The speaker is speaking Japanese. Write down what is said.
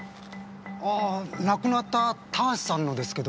ああ亡くなった田橋さんのですけど。